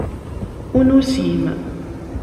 Ur nusim.